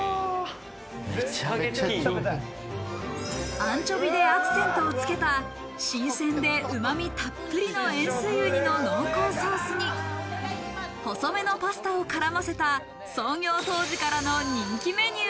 アンチョビでアクセントをつけた新鮮でうま味たっぷりの塩水ウニの濃厚ソースに細めのパスタを絡ませた、創業当時からの人気メニュー。